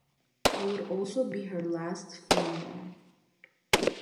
It would also be her last film role.